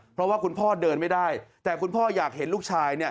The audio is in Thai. เพราะว่าคุณพ่อเดินไม่ได้แต่คุณพ่ออยากเห็นลูกชายเนี่ย